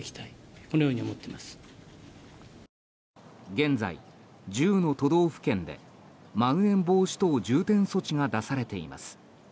現在、１０の都道府県でまん延防止等重点措置が出されています。